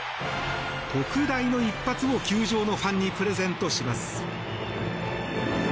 特大の一発を球場のファンにプレゼントします。